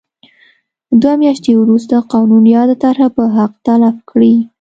دوه میاشتې وروسته قانون یاده طرحه به حق تلف کړي.